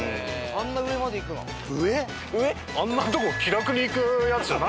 あんなとこ気楽に行くやつじゃないだろ。